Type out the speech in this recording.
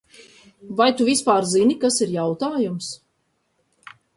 Vai tu vispār zini, kas ir jautājums?